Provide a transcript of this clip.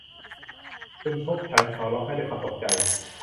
คุณพบฉัน ! เขาร้องไห้ด้วยความตกใจ